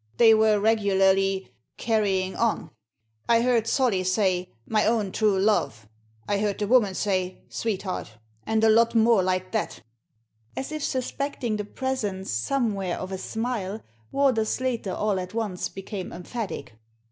They were regularly carrying on. I heard Solly say, * My own true love !' I heard the woman say, * Sweetheart 1 * and a lot more like that" As if suspecting the presence, somewhere, of a smile. Warder Slater all at once became emphatic.